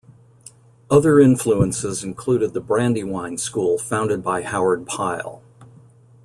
Other influences included the Brandywine School founded by Howard Pyle.